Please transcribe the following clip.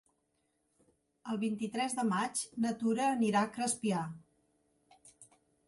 El vint-i-tres de maig na Tura anirà a Crespià.